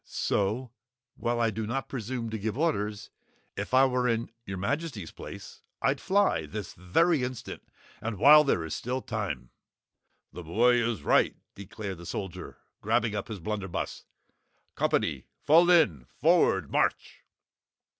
So while I do not presume to give orders if I were in your Majesty's place, I'd fly, this very instant and while there still is time!" "The boy is right," declared the Soldier, grabbing up his blunder buss. "Company! Fall in! Forward march!"